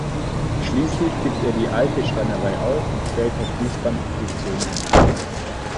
Schließlich gibt er die alte Schreinerei auf und stellt auf Fließbandproduktion um.